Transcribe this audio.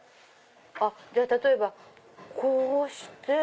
例えばこうして。